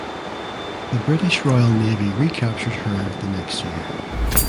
The British Royal Navy recaptured her the next year.